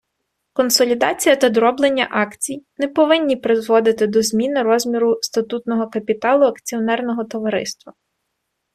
Консолідація та дроблення акцій не повинні призводити до зміни розміру статутного капіталу акціонерного товариства.